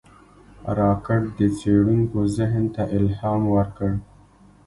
راکټ د څېړونکو ذهن ته الهام ورکړ